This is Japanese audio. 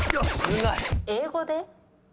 英語で？